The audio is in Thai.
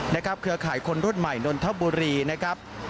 เครือข่ายคนรุ่นใหม่นนทบุรีนะครับ